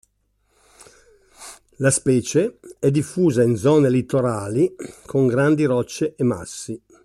La specie è diffusa in zone litorali con grandi rocce e massi.